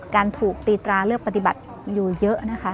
การถูกตีตราเลือกปฏิบัติอยู่เยอะนะคะ